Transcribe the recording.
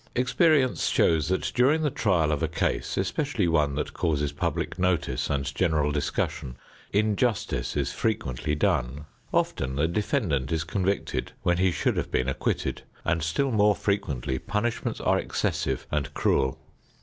Experience shows that during the trial of a case, especially one that causes public notice and general discussion, injustice is frequently done. Often the defendant is convicted when he should have been acquitted, and still more frequently punishments are excessive and cruel.